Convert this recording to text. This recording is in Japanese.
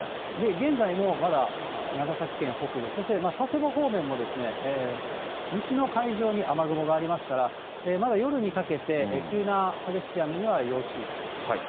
現在もまだ長崎県北部、そして佐世保方面も、西の海上に雨雲がありますから、まだ夜にかけて急な激しい雨には要注意です。